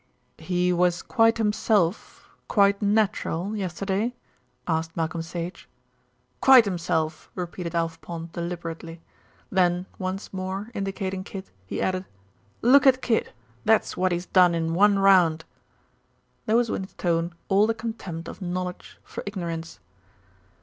"He was quite himself, quite natural, yesterday?" asked Malcolm Sage. "Quite himself," repeated Alf Pond deliberately; then, once more indicating Kid, he added, "Look at Kid; that's what he done in one round." There was in his tone all the contempt of knowledge for ignorance.